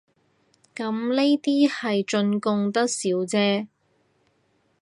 咁呢啲係進貢得少姐